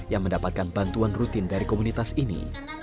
yang mendapatkan bantuan rutin dari komunitas ini